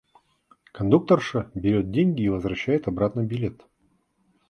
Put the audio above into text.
Кондукторша берёт деньги и возвращает обратно билет.